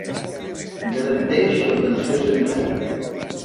Garanteix l'atenció sanitària.